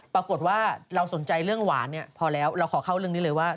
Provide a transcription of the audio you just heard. ปรากฏว่าเราสนใจเรื่องหวานเนี่ยพอแล้วเราขอเข้าเรื่องนี้เลยว่า